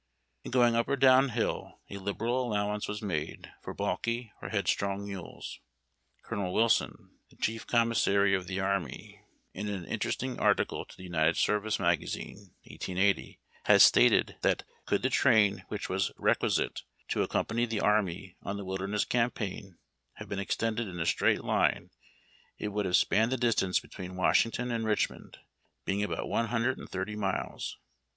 In going up or down hill a liberal allowance v/as made for balky or headstrong mules. Colonel Wilson, the chief commissary of the army, in an interesting article to the United Service magazine (1880), has stated that could the train which was requisite to accompany the army on the Wilderness Cam paign have been extended in a straight line it would have spanned the distance between Washington and Richmond, being about one hundred and thirty miles.